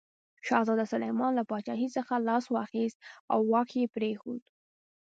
شهزاده سلیمان له پاچاهي څخه لاس واخیست او واک یې پرېښود.